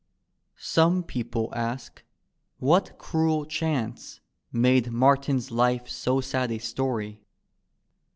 Some people a^: " What cruel chance Made Martin's life so sad a stoiy?